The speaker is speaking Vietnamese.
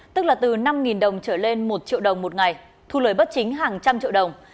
tức là từ năm đồng trở lên một triệu đồng một ngày thu lời bất chính hàng trăm triệu đồng